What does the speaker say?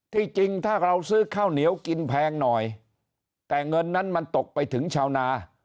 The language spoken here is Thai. จริงถ้าเราซื้อข้าวเหนียวกินแพงหน่อยแต่เงินนั้นมันตกไปถึงชาวนา